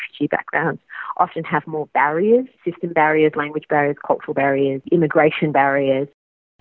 sering memiliki lebih banyak perintah perintah sistem perintah bahasa perintah kulturnya perintah imigrasi